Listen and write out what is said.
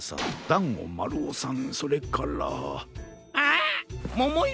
だんごまるおさんそれから。